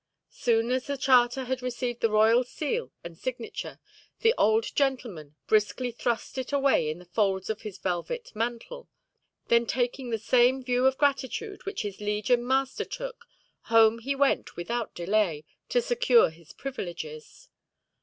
Soon as the charter had received the royal seal and signature, the old gentleman briskly thrust it away in the folds of his velvet mantle. Then taking the same view of gratitude which his liege and master took, home he went without delay to secure his privileges.